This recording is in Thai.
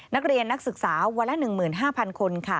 นักเรียนนักศึกษาวันละ๑๕๐๐๐คน